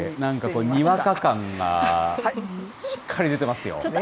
なんか、にわか感がしっかり出てますよ。